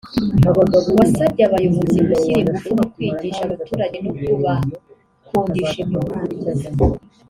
wasabye abayobozi gushyira ingufu mu kwigisha abaturage no kubakundisha imyuga